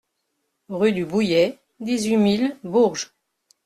Rue du Bouillet, dix-huit mille Bourges